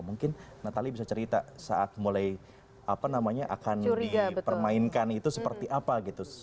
mungkin natalia bisa cerita saat mulai apa namanya akan dipermainkan itu seperti apa gitu